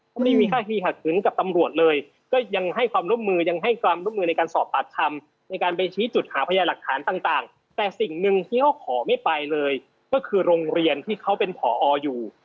เขาไม่มีท่าทีหักคืนกับตำรวจเลยก็ยังให้ความร่วมมือยังให้ความร่วมมือในการสอบปากคำในการไปชี้จุดหาพยาหลักฐานต่างแต่สิ่งหนึ่งที่เขาขอไม่ไปเลยก็คือโรงเรียนที่เขาเป็นผออยู่